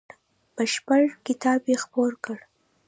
بشپړ کتاب یې خپور کړ.